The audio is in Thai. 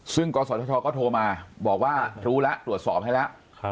ซึ่งกศชก็โทรมาบอกว่ารู้แล้วตรวจสอบให้แล้ว